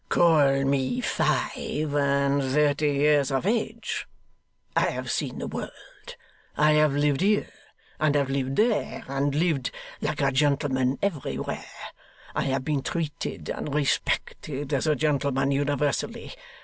'Call me five and thirty years of age. I have seen the world. I have lived here, and lived there, and lived like a gentleman everywhere. I have been treated and respected as a gentleman universally.